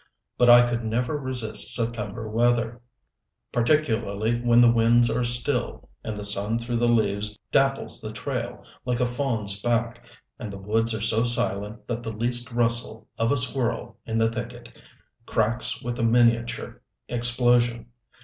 But I could never resist September weather, particularly when the winds are still, and the sun through the leaves dapples the trail like a fawn's back, and the woods are so silent that the least rustle of a squirrel in the thicket cracks with a miniature explosion.